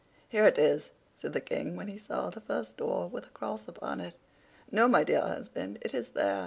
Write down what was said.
"Here it is!" said the King, when he saw the first door with a cross upon it. "No, my dear husband, it is there!"